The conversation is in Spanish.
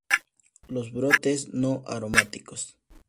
Los brotes no aromáticos.